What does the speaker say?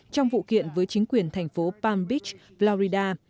trong vụ kiện với chính quyền thành phố palm beach florida